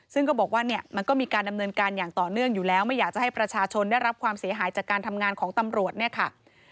ซึ่งก็บอกว่าเนี่ยมันก็มีการดำเนินการอย่างต่อเนื่องอยู่แล้วไม่อยากจะให้ประชาชนได้รับความเสียหายจากการทำงานของตำรวจเนี่ยค่ะ